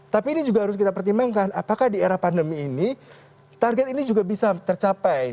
tapi ini juga harus kita pertimbangkan apakah di era pandemi ini target ini juga bisa tercapai